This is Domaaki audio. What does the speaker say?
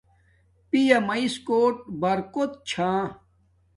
پیامیس کوٹ برکوت چھا